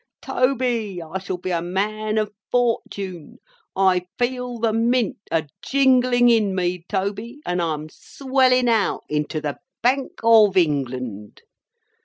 Toby, I shall be a man of fortun! I feel the Mint a jingling in me, Toby, and I'm swelling out into the Bank of England!"